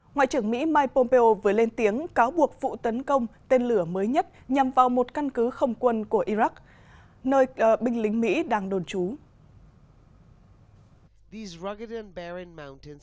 ngoại trưởng mỹ mike pompeo vừa lên tiếng cáo buộc vụ tấn công tên lửa mới nhất nhằm vào một căn cứ không quân của iraq nơi binh lính mỹ đang đồn trú